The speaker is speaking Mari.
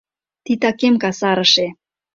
Титакем касарыше